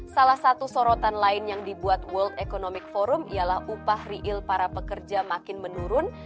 salah satu sorotan lain yang dibuat world economic forum ialah upah real para pekerja makin menurun